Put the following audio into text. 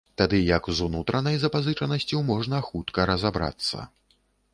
Тады як з унутранай запазычанасцю можна хутка разабрацца.